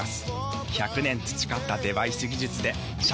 １００年培ったデバイス技術で社会に幸せを作ります。